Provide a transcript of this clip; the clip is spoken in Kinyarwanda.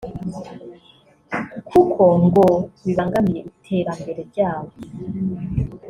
kuko ngo kibangamiye iterambere ryabo